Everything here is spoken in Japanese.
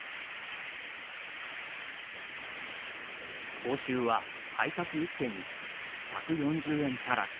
報酬は、配達１件につき１４０円足らず。